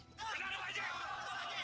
tidak benar pak haji